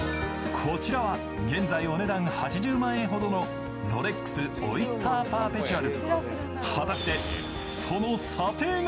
こちらは現在お値段８０万円ほどのロレックスオイスターパーペチュアル。